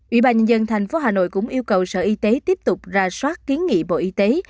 ủy ban nhân dân thành phố hà nội cũng yêu cầu sở y tế tiếp tục ra soát kiến nghị bộ y tế